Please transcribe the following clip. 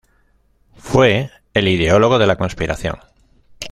Fue el ideólogo de la conspiración.